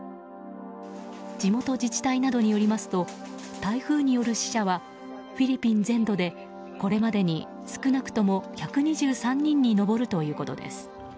地元自治体などによりますと台風による死者はフィリピン全土でこれまでに少なくとも１２３人に上るということです。